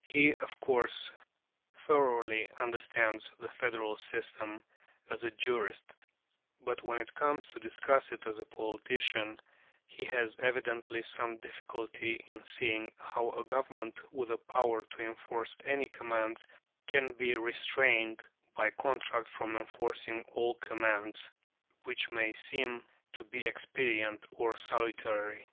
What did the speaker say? He, of course, thoroughly understands the federal system as a jurist, but when he comes to discuss it as a politician he has evidently some difficulty in seeing how a government with a power to enforce any commands can be restrained by contract from enforcing all commands which may seem to be expedient or salutary.